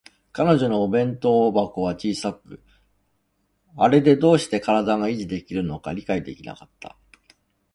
彼女のお弁当箱は小さく、あれでどうして身体が維持できるのか理解できなかった